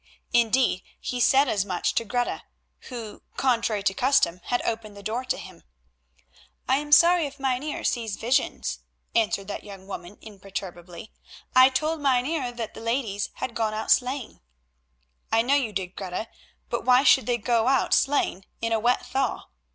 Indeed he said as much to Greta, who, contrary to custom, had opened the door to him. "I am sorry if Mynheer sees visions," answered that young woman imperturbably. "I told Mynheer that the ladies had gone out sleighing." "I know you did, Greta; but why should they go out sleighing in a wet thaw?"